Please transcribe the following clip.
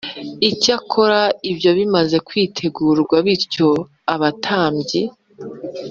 Icyakora ibyo bimaze kwitegurwa bityo abatambyi